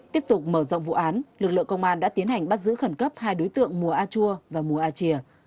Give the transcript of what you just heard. tiếp tục mở rộng vụ án lực lượng công an đã tiến hành bắt giữ khẩn cấp hai đối tượng mùa a chua và mùa a chìa